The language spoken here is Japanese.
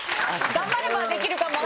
頑張ればできるかもな。